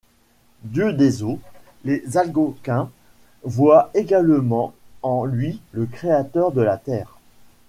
Dieu des eaux, les Algonquins voient également en lui le créateur de la terre.